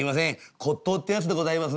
骨董ってやつでございますね。